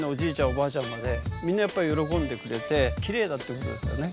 おばあちゃんまでみんなやっぱりよろこんでくれてきれいだっていうことですよね。